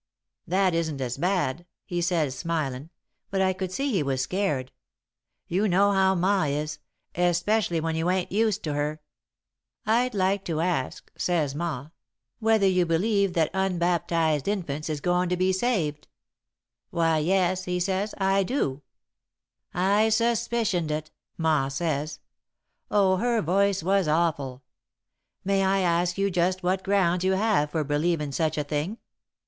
"'That isn't as bad,' he says, smilin', but I could see he was scared. You know how Ma is especially when you ain't used to her. [Sidenote: Discussing Baptism] "'I'd like to ask,' says Ma, 'whether you believe that unbaptised infants is goin' to be saved.' "'Why, yes,' he says. 'I do,' "'I suspicioned it,' Ma says. Oh, her voice was awful! 'May I ask you just what grounds you have for believin' such a thing?'